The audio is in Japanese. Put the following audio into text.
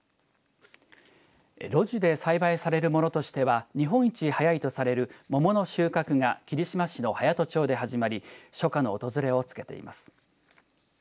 露地で栽培されるものとしては日本一早いとされる桃の収穫が霧島市の隼人町で始まり初夏の訪れを告げています。